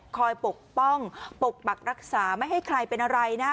ปกป้องปกปักรักษาไม่ให้ใครเป็นอะไรนะ